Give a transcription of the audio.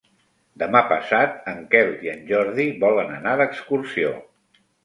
Demà passat en Quel i en Jordi volen anar d'excursió.